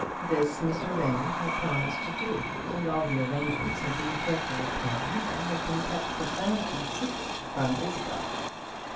This Mr. Raymond had promised to do; and all the arrangements had been carefully planned, and had been kept profoundly secret from Isabel.